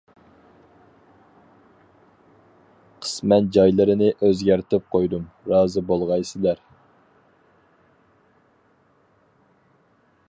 قىسمەن جايلىرىنى ئۆزگەرتىپ قويدۇم، رازى بولغايسىلەر!